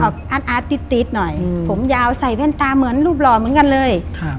อาร์ตติ๊ดหน่อยผมยาวใส่แว่นตาเหมือนรูปหล่อเหมือนกันเลย